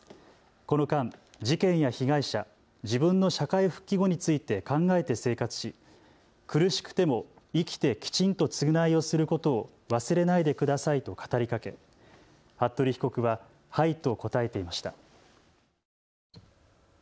この間、事件や被害者、自分の社会復帰後について考えて生活し苦しくても生きてきちんと償いをすることを忘れないでくださいと語りかけ服部被告ははいと答えていました。